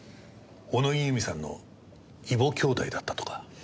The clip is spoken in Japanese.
小野木由美さんの異母兄弟だったとか。